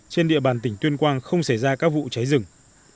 trên địa bàn tỉnh tuyên quang không xảy ra các vụ cháy rừng